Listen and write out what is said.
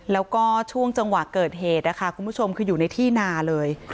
แล้วก็ช่วงจังหวะเกิดเหตุนะคะคุณผู้ชมคืออยู่ในที่นาเลย